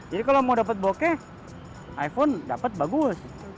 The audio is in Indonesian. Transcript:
jadi kalau mau dapat bokeh iphone dapat bagus